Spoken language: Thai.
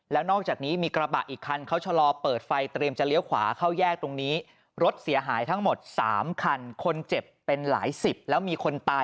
แล้วนอกจากนี้มีกระบะอีกคันเขาชะลอเปิดไฟเตรียมจะเลี้ยวขวาเข้าแยกตรงนี้